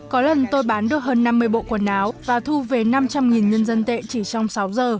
có lần tôi bán được hơn năm mươi bộ quần áo và thu về năm trăm linh nhân dân tệ chỉ trong sáu giờ